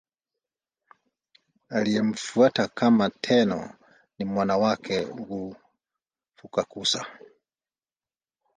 Aliyemfuata kama Tenno ni mwana wake Go-Fukakusa.